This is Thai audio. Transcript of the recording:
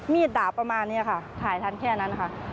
ดาบประมาณนี้ค่ะถ่ายทันแค่นั้นค่ะ